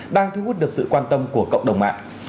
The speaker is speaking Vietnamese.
đang thu hút được sự quan tâm của cộng đồng mạng